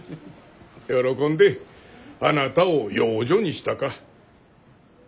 喜んであなたを養女にしたか。